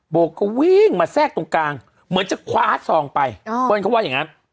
โบก็วิ่งมาแทรกตรงกลางเหมือนจะคว้าซองไปเปิ้ลเขาว่าอย่างนั้น